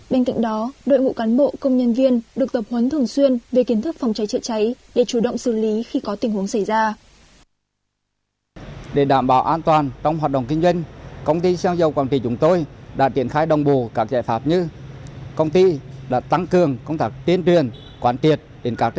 bên cạnh đó đội ngũ cán bộ công nhân viên được tập huấn thường xuyên về kiến thức phòng cháy chữa cháy để chủ động xử lý khi có tình huống xảy ra